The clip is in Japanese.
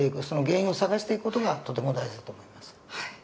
その原因を探していく事がとても大事だと思います。